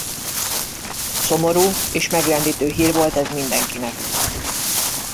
Szomorú és megrendítő hír volt ez mindenkinek.